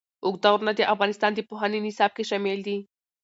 اوږده غرونه د افغانستان د پوهنې نصاب کې شامل دي.